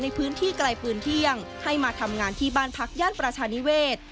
ในพื้นที่ไกลปืนเที่ยงให้มาทำงานที่บ้านพักย่านประชานิเวศ